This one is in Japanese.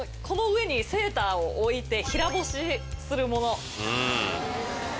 この上にセーターを置いて平干しするもの。